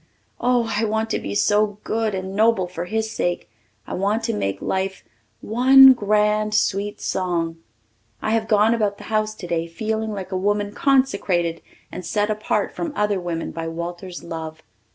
Oh, I want to be so good and noble for his sake. I want to make life "one grand sweet song." I have gone about the house today feeling like a woman consecrated and set apart from other women by Walter's love.